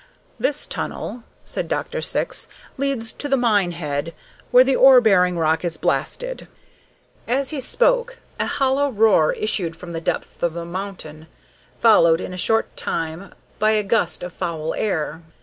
"This tunnel," said Dr. Syx, "leads to the mine head, where the ore bearing rock is blasted." As he spoke a hollow roar issued from the depths of the mountain, followed in a short time by a gust of foul air.